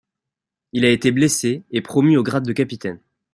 Il a été blessé et promu au grade de capitaine.